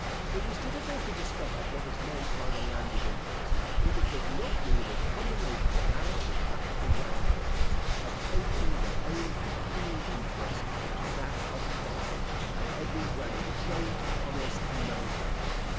It is difficult to discover what is meant by the landed interest, if it does not mean a combination of aristocratical landholders, opposing their own pecuniary interest to that of the farmer, and every branch of trade, commerce, and manufacture.